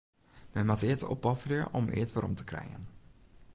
Men moat eat opofferje om eat werom te krijen.